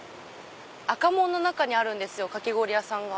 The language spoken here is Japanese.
赤門の中にあるかき氷屋さんが。